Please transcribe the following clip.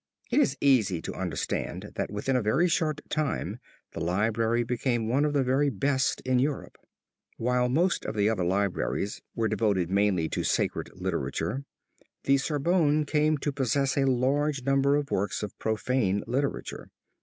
It is easy to understand that within a very short time the library became one of the very best in Europe. While most of the other libraries were devoted mainly to sacred literature, the Sorbonne came to possess a large number of works of profane literature.